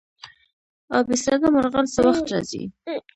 اب ایستاده مرغان څه وخت راځي؟